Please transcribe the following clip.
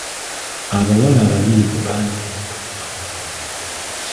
Abawala abanyirivu bangi naye tokwana buli omu.